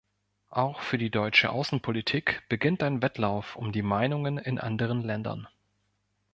Auch für die deutsche Außenpolitik beginnt ein Wettlauf um die Meinungen in anderen Ländern.